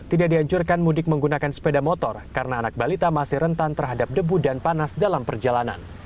tidak dihancurkan mudik menggunakan sepeda motor karena anak balita masih rentan terhadap debu dan panas dalam perjalanan